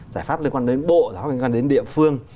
giải pháp liên quan đến bộ giải pháp liên quan đến địa phương